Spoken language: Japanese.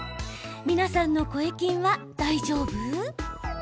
皆さんの声筋は大丈夫？